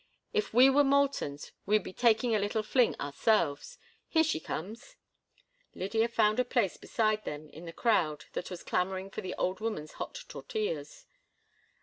If we were Moultons, we'd be taking a little fling ourselves. Here she comes." Lydia found a place beside them in the crowd that was clamoring for the old woman's hot tortillas.